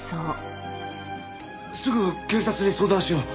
すぐ警察に相談しよう。